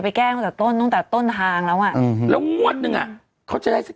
แกล้งตั้งแต่ต้นตั้งแต่ต้นทางแล้วอ่ะอืมแล้วงวดหนึ่งอ่ะเขาจะได้สัก